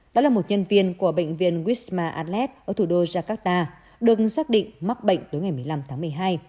đó là một nhân viên của bệnh viên wisma atlas ở thủ đô jakarta được xác định mắc bệnh tới ngày một mươi năm tháng một mươi hai